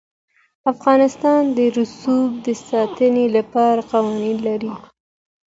افغانستان د رسوب د ساتنې لپاره قوانین لري.